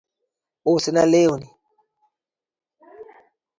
Us na lawni